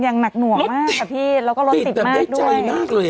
อย่างหนักหน่วงมากค่ะพี่แล้วก็รถติดมากด้วยติดแบบได้ใจมากเลย